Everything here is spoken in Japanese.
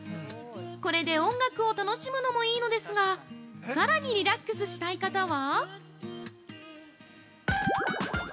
これで音楽を楽しむのもいいのですがさらにリラックスしたい方は？